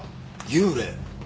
幽霊。